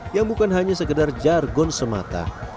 yang bukan hanya sekedar jargon semata